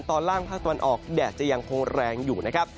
ตอนล่างภาคตะวันออกแดดจะยังคงแรงอยู่นะครับ